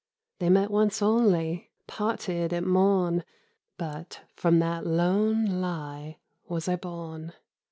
They met once only, Parted at morn — But from that lone lie Was I born.